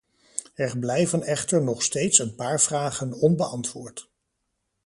Er blijven echter nog steeds een paar vragen onbeantwoord.